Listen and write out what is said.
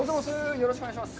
よろしくお願いします。